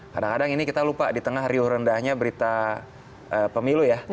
kadang kadang ini kita lupa di tengah riuh rendahnya berita pemilu ya